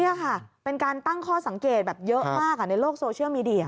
นี่ค่ะเป็นการตั้งข้อสังเกตแบบเยอะมากในโลกโซเชียลมีเดีย